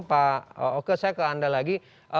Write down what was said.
pak oke saya ke anda lagi